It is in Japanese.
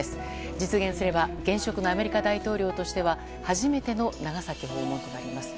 実現すれば現職のアメリカ大統領としては初めての長崎訪問となります。